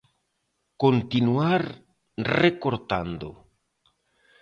Continuar recortando.